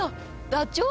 ダチョウ？